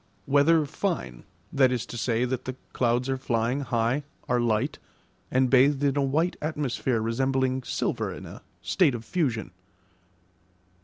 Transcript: Weather fine; that is to say, that the clouds are flying high, are light, and bathed in a white atmosphere resembling silver in a state of fusion.